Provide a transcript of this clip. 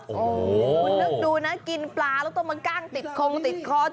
คุณนึกดูนะกินปลาแล้วต้องมาก้างติดคงติดคอร์ส